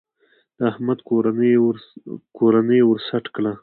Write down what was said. د احمد کورنۍ يې ور سټ کړه.